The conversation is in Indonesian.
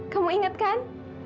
kamu ingat kan